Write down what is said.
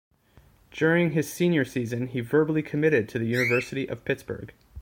During his senior season, he verbally committed to the University of Pittsburgh.